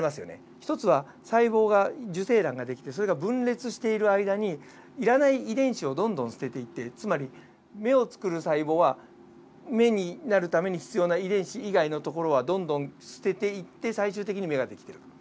１つは細胞が受精卵ができてそれが分裂している間に要らない遺伝子をどんどん捨てていってつまり目を作る細胞は目になるために必要な遺伝子以外のところはどんどん捨てていって最終的に目ができてる。